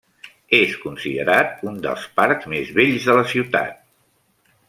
És considerat un dels parcs més bells de la ciutat.